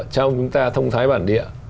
trong chúng ta thông thái bản địa